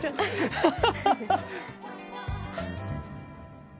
ハハハ！